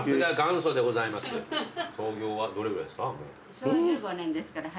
創業はどれぐらいですか？